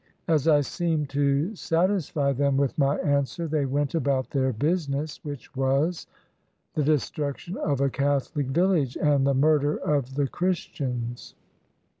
As I seemed to satisfy them with my answer, they went about their business, which was the destruction of a Catholic village, and the murder of the Christians.